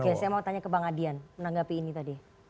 oke saya mau tanya ke bang adian menanggapi ini tadi